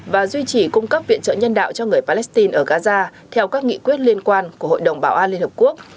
và duy trì cung cấp viện trợ nhân đạo cho người palestine ở gaza theo các nghị quyết liên quan của hội đồng bảo an liên hợp quốc